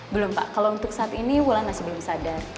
belum pak kalau untuk saat ini wulan masih belum sadar